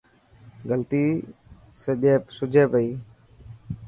غلطي سڄي پيو.